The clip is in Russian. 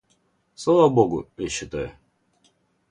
Слава Богу, я считаю.